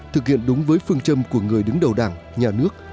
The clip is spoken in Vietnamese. thực hiện đúng với phương châm của người đứng đầu đảng nhà nước